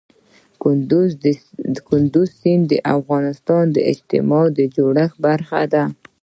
کندز سیند د افغانستان د اجتماعي جوړښت برخه ده.